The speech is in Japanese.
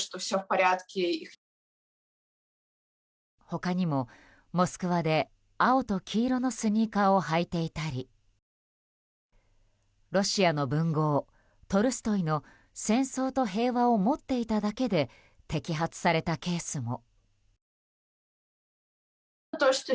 他にも、モスクワで青と黄色のスニーカーを履いていたりロシアの文豪トルストイの「戦争と平和」を持っていただけで摘発されたケースも。